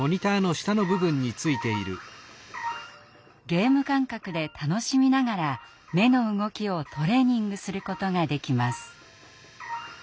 ゲーム感覚で楽しみながら目の動きをトレーニングすることができます。